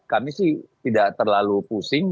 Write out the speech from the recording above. kami sih tidak terlalu pusing